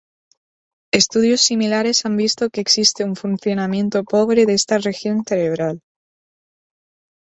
Estudios similares han visto que existe un funcionamiento pobre de esta región cerebral.